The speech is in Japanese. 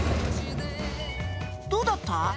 どうだった？